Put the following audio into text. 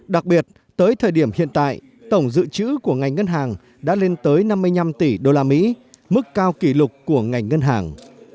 đặc biệt tới thời điểm hiện tại tổng dự trữ của ngành ngân hàng đã lên tới năm mươi năm tỷ usd mức cao kỷ lục của ngành ngân hàng